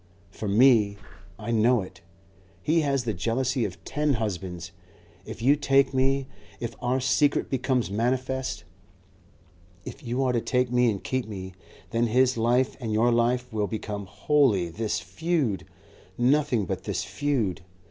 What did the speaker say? For me I know it he has the jealousy of ten husbands. If you take me If our secret becomes manifest If you are to take me and keep me, then his life and your life will become wholly this Feud, nothing but this Feud.